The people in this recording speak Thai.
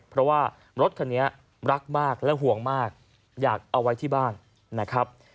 เพราะว่ารถคันนี้รักมากและห่วงมากอยากเอาไว้ที่บ้านนะครับ